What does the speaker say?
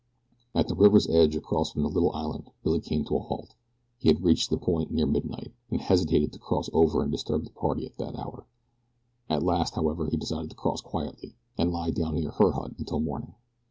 At the river's edge across from the little island Billy came to a halt. He had reached the point near midnight, and hesitated to cross over and disturb the party at that hour. At last, however, he decided to cross quietly, and lie down near HER hut until morning.